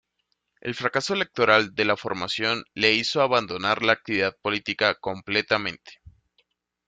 El fracaso electoral de la formación le hizo abandonar la actividad política completamente.